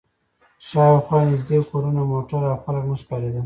شا و خوا نږدې کورونه، موټر او خلک نه ښکارېدل.